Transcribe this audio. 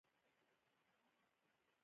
غیرت د انسان داخلي ځواک دی